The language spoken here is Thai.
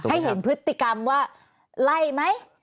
ให้เห็นพฤติกรรมว่าไล่ไหม